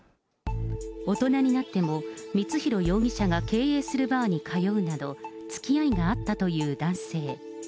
大人になっても、光弘容疑者が経営するバーに通うなど、つきあいがあったという男性。